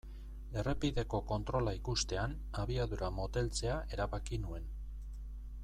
Errepideko kontrola ikustean abiadura moteltzea erabaki nuen.